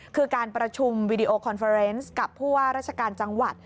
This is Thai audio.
คือการประชุมวีดีโอคอนเฟอร์เนสกับผู้ว่าราชการจังหวัด